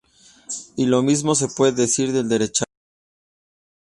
Y lo mismo se puede decir del derechazo.